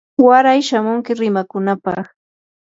waray shamunki rimakunapaq.